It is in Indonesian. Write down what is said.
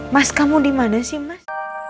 mas kamu dimana sih mas